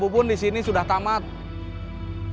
orang dusia biarovit di pantau